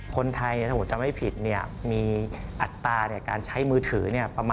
คนไทยถ้าผมจำไม่ผิดมีอัตราการใช้มือถือ